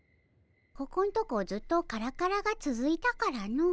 ここんとこずっとカラカラがつづいたからの。